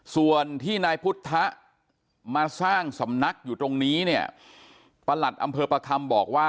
ส่วนที่นายพุทธมาสร้างสำนักอยู่ตรงนี้เนี่ยประหลัดอำเภอประคำบอกว่า